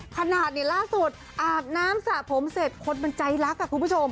ขนาดล่าสุดอาบน้ำสระผมเสร็จคนมันใจรักคุณผู้ชม